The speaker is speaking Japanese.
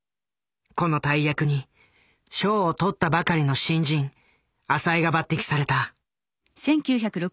この大役に賞をとったばかりの新人浅井が抜擢された。